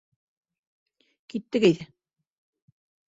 Киттек әйҙә.